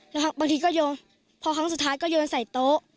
แล้วบางทีก็โยนพอครั้งสุดท้ายก็โยนใส่โต๊ะ